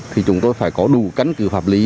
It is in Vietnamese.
thì chúng tôi phải có đủ cắn cử pháp lý